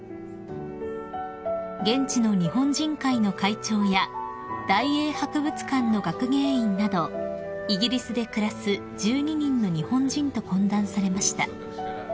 ［現地の日本人会の会長や大英博物館の学芸員などイギリスで暮らす１２人の日本人と懇談されました］